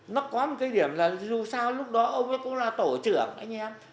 nó có một cái điểm là dù sao lúc đó ông ấy cũng là tổ trưởng anh em